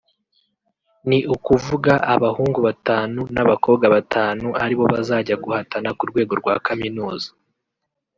ni ukuvuga abahungu batanu n'abakobwa batanu aribo bazajya guhatana ku rwego rwa kaminuza